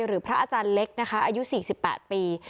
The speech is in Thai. พระอาจารย์เล็กนะคะอายุ๔๘ปี